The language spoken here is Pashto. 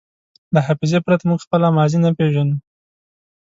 له حافظې پرته موږ خپله ماضي نه پېژنو.